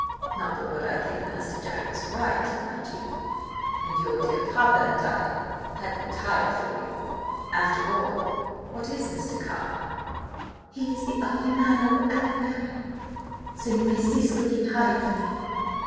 Not but what I think Master Jack is right, mind you. And your dear papa and I had looked higher for you. After all–what is Mr. Carr?" "He is the only man I will ever marry! So you may cease looking higher for me!